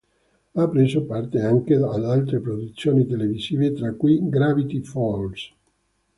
Ha preso parte anche ad altre produzioni televisive tra cui "Gravity Falls".